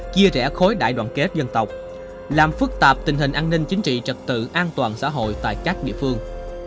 chia rẽ khối đại đoàn kết dân tộc làm phức tạp tình hình an ninh chính trị trật tự an toàn xã hội tại các địa phương